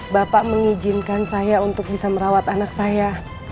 bapak mengizinkan saya untuk bisa merawat anak saya